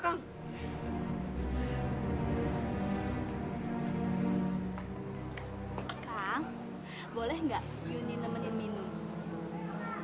kang boleh nggak yuni nemenin minum